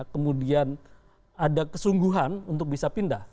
kemudian ada kesungguhan untuk bisa pindah